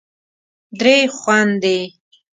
درې خوندې